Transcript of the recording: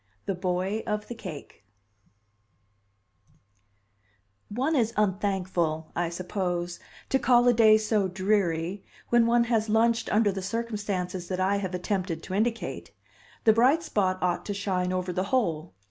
V: The Boy of the Cake One is unthankful, I suppose, to call a day so dreary when one has lunched under the circumstances that I have attempted to indicate; the bright spot ought to shine over the whole.